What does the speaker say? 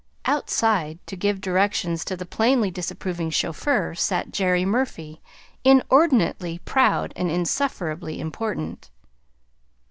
Outside, to give directions to the plainly disapproving chauffeur, sat Jerry Murphy, inordinately proud and insufferably important.